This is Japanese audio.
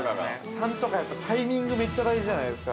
タンとかタイミング、めっちゃ大事じゃないですか。